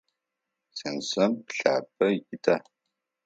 Сенцэм пылъапӏэ ита?